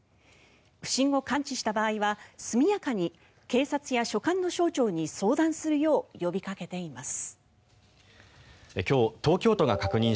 不審を感知した場合は速やかに警察や所管の省庁に相談するよう呼びかけています。